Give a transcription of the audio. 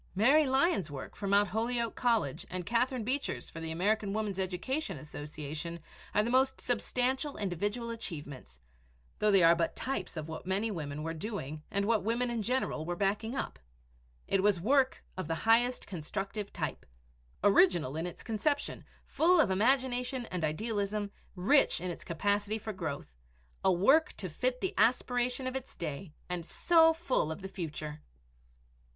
Mary Lyon's work for Mt. Holyoke College and Catherine Beecher's for the American Woman's Education Association are the most substantial individual achievements, though they are but types of what many women were doing and what women in general were backing up. It was work of the highest constructive type original in its conception, full of imagination and idealism, rich in its capacity for growth a work to fit the aspiration of its day and so full of the future!